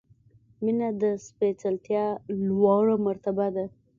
• مینه د سپېڅلتیا لوړه مرتبه ده.